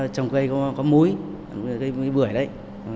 trong cây có múi cây bưởi đấy